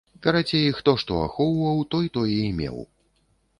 Карацей, хто што ахоўваў, той тое і меў.